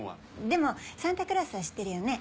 でもサンタクロースは知ってるよね？